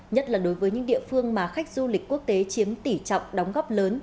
nhất là đối với những địa phương mà khách du lịch quốc tế chiếm tỷ trọng đóng góp lớn